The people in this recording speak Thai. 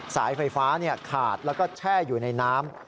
สายไฟฟ้าขาดแล้วก็แช่อยู่ในน้ำ